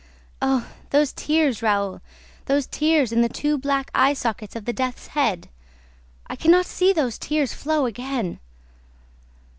Oh, those tears, Raoul, those tears in the two black eye sockets of the death's head! I can not see those tears flow again!"